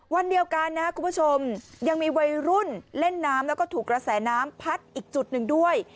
วันเดียวกันนะครับคุณผู้ชมยังมีวัยรุ่นเล่นน้ำแล้วก็ถูกกระแสน้ำพัดอีกจุดหนึ่งด้วย